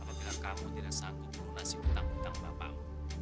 apabila kamu tidak sanggup mengumasi petanggungkan bapamu